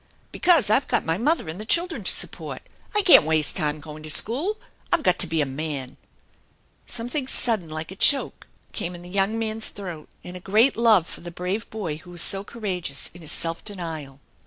" Because I've got my mother and the children to sup port. I can't waste time going to school. I've got to be a man." THE ENCHANTED BARN 305 Something sudden like a choke came in the young znan'i throat, and a great love for the brave boy who was so cour ageous in his self denial.